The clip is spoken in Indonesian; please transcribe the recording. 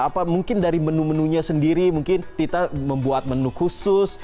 apa mungkin dari menu menunya sendiri mungkin tita membuat menu khusus